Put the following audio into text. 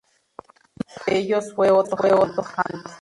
Uno de ellos fue Otto Hahn.